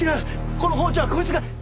この包丁はこいつが。